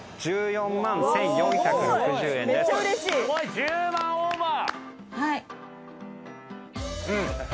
１０万オーバー！